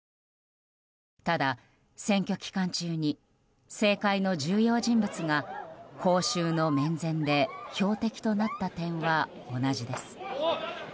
ただ、選挙期間中に政界の重要人物が公衆の面前で標的となった点は同じです。